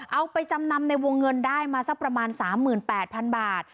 เอาไปจำนำในวงเงินได้มาสักประมาณ๓๘๐๐๐บาท